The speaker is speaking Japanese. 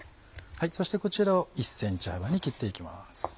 そしてこちらを１ｃｍ幅に切って行きます。